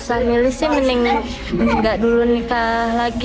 jadi orang tua nggak boleh pacaran yaudah ingin nikah aja